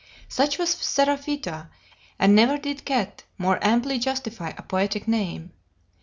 Such was Seraphita, and never did cat more amply justify a poetic name.